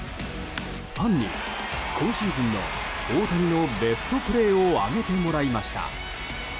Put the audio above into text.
ファンに今シーズン大谷のベストプレーを挙げてもらいました。